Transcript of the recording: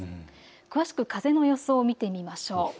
詳しく風の予想を見てみましょう。